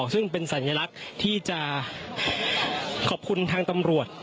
ซึ่งเป็นสัญลักษณ์ที่จะขอบคุณทางตำรวจ